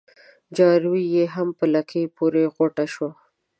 جارو يې هم په لکۍ پوري غوټه سو